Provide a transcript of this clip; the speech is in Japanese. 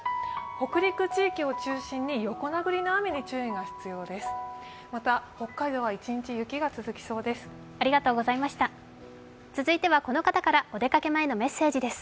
北陸地域を中心に横殴りの雨に注意が必要です。